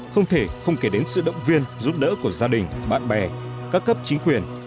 không thể không kể đến sự động viên giúp đỡ của gia đình bạn bè các cấp chính quyền